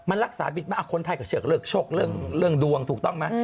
มันรักษาบิดมาคนไทยก็เชือกเลิกโชคเรื่องดวงถูกต้องไหม